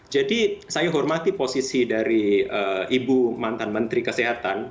jadi saya hormati posisi dari ibu mantan menteri kesehatan